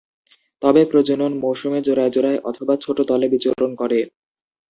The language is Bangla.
তবে প্রজনন মৌসুমে জোড়ায় জোড়ায় অথবা ছোট দলে বিচরণ করে।